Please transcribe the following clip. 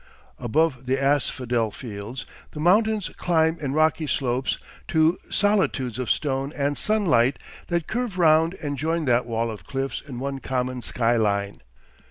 Above the asphodel fields the mountains climb in rocky slopes to solitudes of stone and sunlight that curve round and join that wall of cliffs in one common skyline.